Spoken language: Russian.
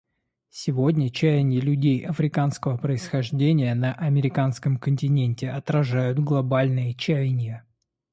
Сегодня чаяния людей африканского происхождения на Американском континенте отражают глобальные чаяния.